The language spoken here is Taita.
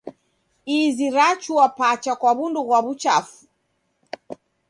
Izi rachua pacha kwa w'undu ghwa w'uchafu.